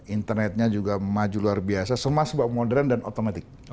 internetnya juga maju luar biasa semua sebab modern dan otomatik